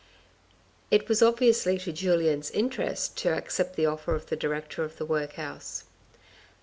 It was obviously to Julien's interest to accept the offer of the director of the workhouse.